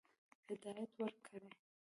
هدایت ورکړي.